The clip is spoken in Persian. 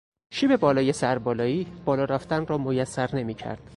شیب زیاد سربالایی، بالا رفتن را میسر نمیکرد.